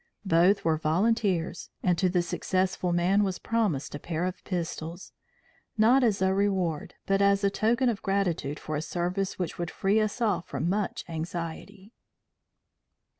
Both were volunteers; and to the successful man was promised a pair of pistols not as a reward, but as a token of gratitude for a service which would free us all from much anxiety."